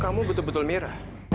kamu betul betul mira